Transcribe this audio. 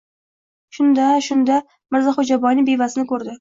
Shunda... shunda, Mirzaxo‘jaboyni bevasini ko‘rdi!